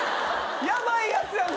ヤバいやつやん